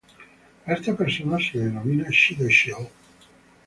A esta persona se le denomina "Shidoshi-Ho".